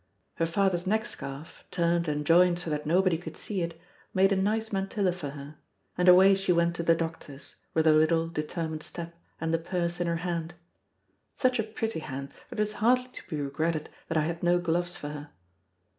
Her father's neck scarf, turned and joined so that nobody could see it, made a nice mantilla for her; and away she went to the doctor's, with her little, determined step, and the purse in her hand (such a pretty hand that it is hardly to be regretted I had no gloves for her).